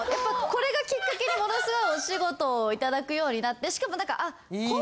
これがきっかけでものすごいお仕事をいただくようになってしかもなんか。